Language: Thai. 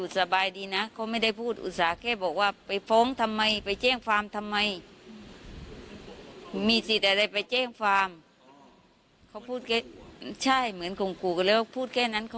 ถ้าไม่ได้มีอะไรที่มันเป็นพิรุฑหรือว่าผิดจริง